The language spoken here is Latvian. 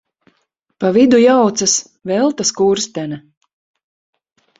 Pa vidu jaucas: Velta Skurstene.